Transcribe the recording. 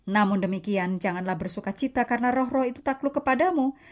namun demikian janganlah bersuka cita karena roh roh itu takluk kepadamu